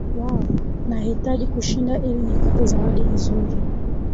Nahitaji kushinda ili nipate zawadi nzuri